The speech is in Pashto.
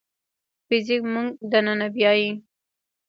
فزیک موږ دننه بیايي.